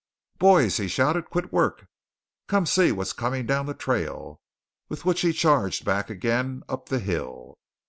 "Boys!" he shouted, "quit work! Come see what's coming down the trail!" with which he charged back again up the hill.